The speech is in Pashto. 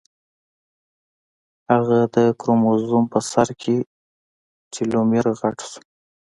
اگه د کروموزوم په سر کې ټيلومېر غټ شو.